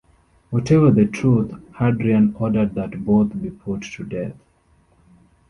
Whatever the truth, Hadrian ordered that both be put to death.